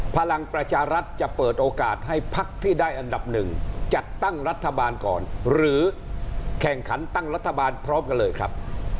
พลังประชารัฐจะเปิดโอกาสให้พักที่ได้อันดับหนึ่งจัดตั้งรัฐบาลก่อนหรือแข่งขันตั้งรัฐบาลพร้อมกันเลยครับ